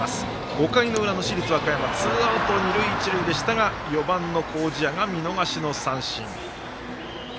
５回の裏、市立和歌山ツーアウト、二塁一塁ですが４番の麹家や見逃しの三振。